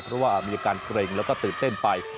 เพราะว่ามีอาการเกร็งแล้วก็ตื่นเต้นไป